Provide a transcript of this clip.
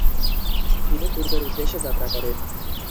তিনি পূর্বের উদ্দেশ্যে যাত্রা করেন।